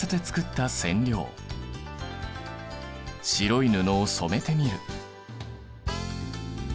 白い布を染めてみる。